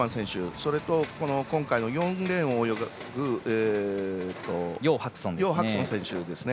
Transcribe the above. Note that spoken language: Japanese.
それと、今回の４レーンを泳ぐ楊博尊選手ですね